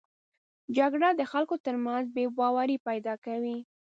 جګړه د خلکو تر منځ بې باوري پیدا کوي